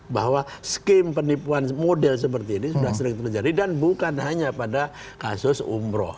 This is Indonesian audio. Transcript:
bahwa scheme penipuan model seperti ini sudah sering terjadi dan bukan hanya pada kasus umroh